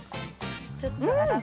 うん！